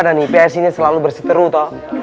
dan ips ini selalu berseteru toh